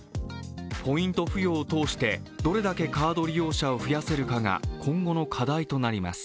ポイント付与を通してどれだけカード利用者を増やせるかが今後の課題となります。